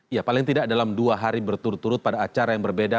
ya paling tidak dalam dua hari berturut turut pada acara yang berbeda